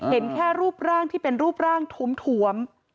เห็นแค่รูปร่างที่เป็นรูปร่างถวม